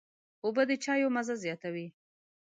اوبه د چايو مزه زیاتوي.